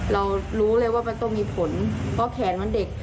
เรารู้เลยว่ามันต้องมีผลเพราะแขนมันเด็ก